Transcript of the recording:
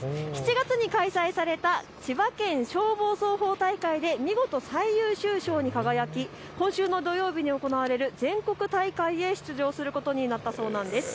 ７月に開催された千葉県消防操法大会で見事最優秀賞に輝き、今週の土曜日に行われる全国大会へ出場することになったそうです。